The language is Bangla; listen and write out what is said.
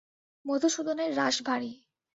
মধুসূদনের রাশ ভারী।